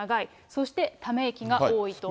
そしてため息が多いと。